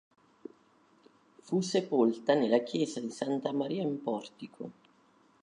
Fu sepolta nella Chiesa di Santa Maria in Portico.